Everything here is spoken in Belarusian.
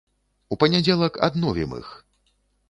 У панядзелак адновім іх.